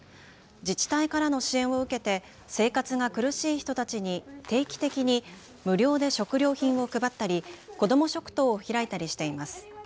自治体からの支援を受けて生活が苦しい人たちに定期的に無料で食料品を配ったり子ども食堂を開いたりしています。